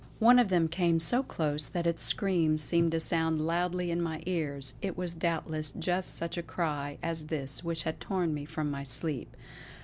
One of them came so close that its scream seemed to sound loudly in my ears; it was doubtless just such a cry as this which had torn me from my sleep.